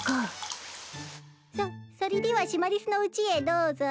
そそりではシマリスのうちへどうぞ。